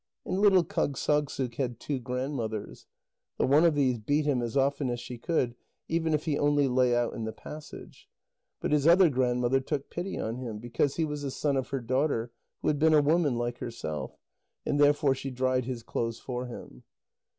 And little Kâgssagssuk had two grandmothers; the one of these beat him as often as she could, even if he only lay out in the passage. But his other grandmother took pity on him, because he was the son of her daughter, who had been a woman like herself, and therefore she dried his clothes for him.